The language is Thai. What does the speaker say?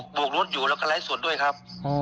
บวกรถอยู่แล้วก็ไลฟ์สดด้วยครับ